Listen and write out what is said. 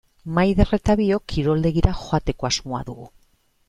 Maider eta biok kiroldegira joateko asmoa dugu.